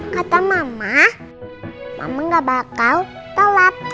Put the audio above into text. kata mama mama gak bakal telat